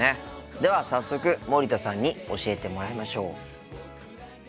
では早速森田さんに教えてもらいましょう。